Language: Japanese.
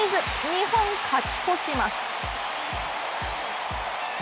日本、勝ち越します。